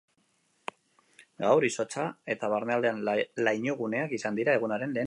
Gaur izotza eta barnealdean lainoguneak izan dira egunaren lehen orduetan.